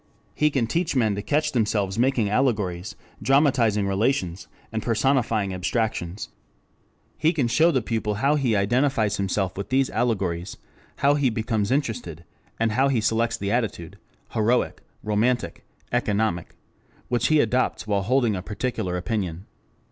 He can teach men to catch themselves making allegories, dramatizing relations, and personifying abstractions. He can show the pupil how he identifies himself with these allegories, how he becomes interested, and how he selects the attitude, heroic, romantic, economic which he adopts while holding a particular opinion.